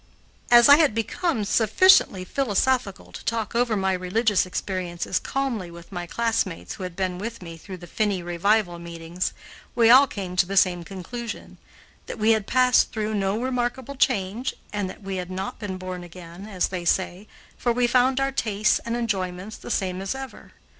As I had become sufficiently philosophical to talk over my religious experiences calmly with my classmates who had been with me through the Finney revival meetings, we all came to the same conclusion that we had passed through no remarkable change and that we had not been born again, as they say, for we found our tastes and enjoyments the same as ever.